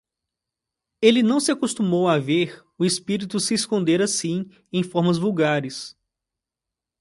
Ele não se acostumou a ver o espírito se esconder assim em formas vulgares.